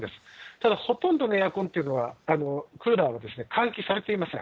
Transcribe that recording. ただほとんどのエアコンっていうのは、クーラーは、換気されていません。